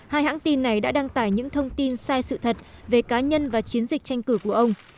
hai hãng tin này đã đăng tải những thông tin sai sự thật về cá nhân và chiến dịch tranh cử của ông